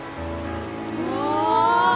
うわ！